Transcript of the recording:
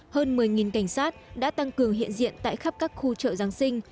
hơn một mươi cảnh sát đã tăng cường hiện diện tại khắp các khu chợ giáng sinh